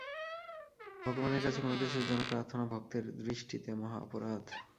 ভগবানের কাছে কোন কিছুর জন্য প্রার্থনা ভক্তের দৃষ্টিতে মহা অপরাধ।